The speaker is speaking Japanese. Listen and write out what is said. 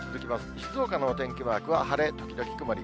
静岡のお天気マークは晴れ時々曇り。